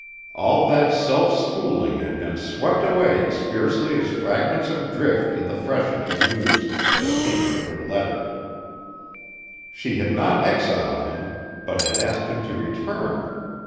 All that self schooling had been swept away as fiercely as fragments of drift in the freshet of news that came with her letter. She had not exiled him but had asked him to return.